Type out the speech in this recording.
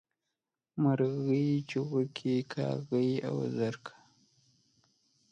مرغۍ، چوغکي کاغۍ او زرکه